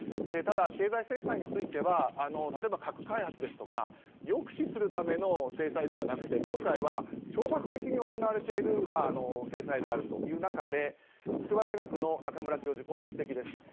ただ経済制裁については例えば核開発ですとか抑止するための制裁ではなくて今回は懲罰的に行われている制裁であるという中で筑波大学の中村教授の指摘です。